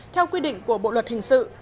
theo quy định của bộ luật hình sự